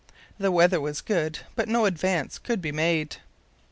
The weather was good, but no advance could be made.